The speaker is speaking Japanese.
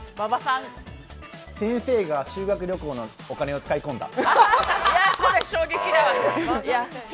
先生が修学旅行のお金を使い込んだ。